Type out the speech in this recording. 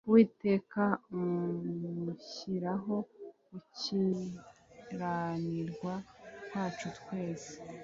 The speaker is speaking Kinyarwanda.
Uwiteka amushyiraho gukiranirwa kwacu twese